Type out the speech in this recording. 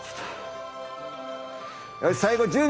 よし最後１０秒。